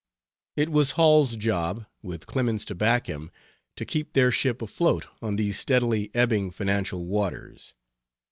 It was Hall's job, with Clemens to back him, to keep their ship afloat on these steadily ebbing financial waters.